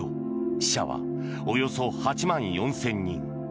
死者はおよそ８万４０００人。